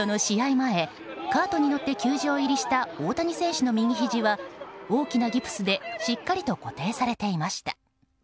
前、カートに乗って球場入りした大谷選手の右ひじは大きなギプスでしっかりと固定されていました。